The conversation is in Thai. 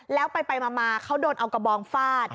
แล้วไปมาเขาโดนเอากระบองฟาด